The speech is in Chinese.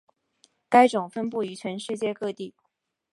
该种分布于全世界各地。